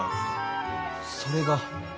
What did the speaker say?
それが。